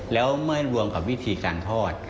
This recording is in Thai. แล้วเมื่อรวมกับวิธีการทอด